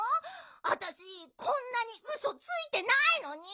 あたしこんなにウソついてないのに！